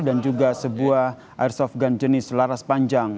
dan juga sebuah airsoft gun jenis laras panjang